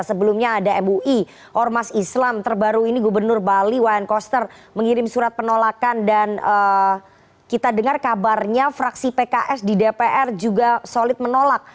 sebelumnya ada mui ormas islam terbaru ini gubernur bali wayan koster mengirim surat penolakan dan kita dengar kabarnya fraksi pks di dpr juga solid menolak